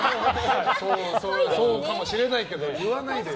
そうかもしれないけど言わないでよ。